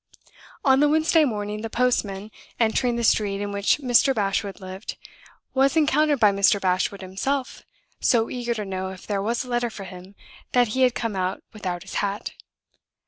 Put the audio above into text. On the Wednesday morning, the postman, entering the street in which Mr. Bashwood lived, was encountered by Mr. Bashwood himself, so eager to know if there was a letter for him that he had come out without his hat.